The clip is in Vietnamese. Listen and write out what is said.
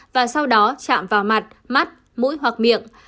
và sau đó chạm vào mặt mắt mũi hoặc miệng